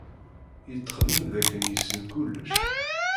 Yettxemmim dakken yessen kullec.